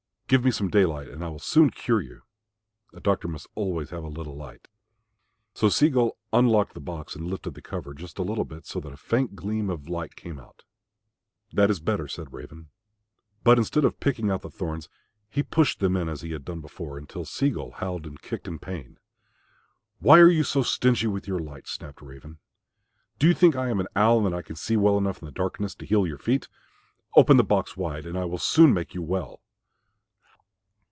Give me some daylight and I will soon cure you. A doctor must always have a little light." So Sea gull unlocked the box and lifted the cover just a little bit so that a faint gleam of light came out. "That is better," said Raven. But instead of picking out the thorns he pushed them in as he had done before, until Sea gull howled and kicked in pain. "Why are you so stingy with your light?" snapped Raven. "Do you think I am an owl and that I can see well enough in the darkness to heal your feet? Open the box wide and I will soon make you well."